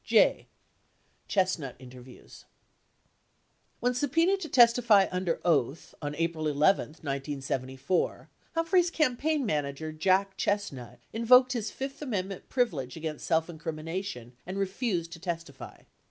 J. Chestnut Interviews When subpenaed to testify under oath on April 11, 1974, Hum phrey's campaign manager Jack Chestnut invoked his fifth amend ment privilege against self incrimination and refused to testify.